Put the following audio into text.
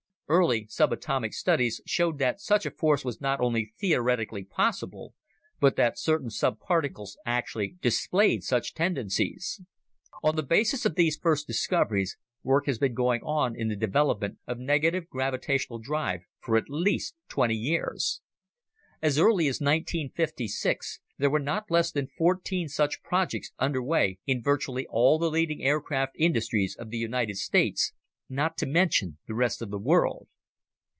Early subatomic studies showed that such a force was not only theoretically possible, but that certain subparticles actually displayed such tendencies. On the basis of these first discoveries, work has been going on in the development of negative gravitational drive for at least twenty years. As early as 1956, there were not less than fourteen such projects under way in virtually all the leading aircraft industries of the United States, not to mention the rest of the world.